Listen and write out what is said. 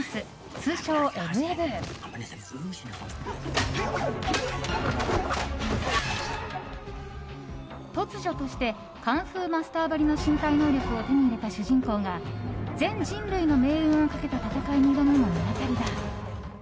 通称「エブエブ」。突如としてカンフーマスターばりの身体能力を手に入れた主人公が全人類の命運をかけた戦いに挑む物語だ。